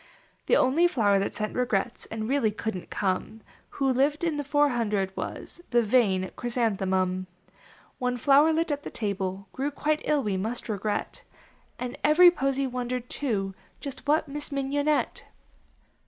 37 The only flower that sent regrets And really couldn t come, Who lived in the four hundred, was The vain Chrysanthemum. One flowerlet at the table Grew quite ill, we must regret, And every posie wondered, too, Just what Miss Mignonette.